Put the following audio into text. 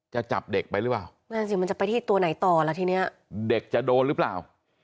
จะจับเด็กไปหรือเปล่านั่นสิมันจะไปที่ตัวไหนต่อล่ะทีเนี้ยเด็กจะโดนหรือเปล่า